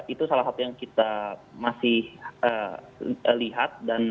itu salah satu yang kita masih lihat dan awasi